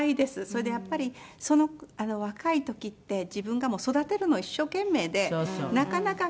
それでやっぱり若い時って自分が育てるの一生懸命でなかなか。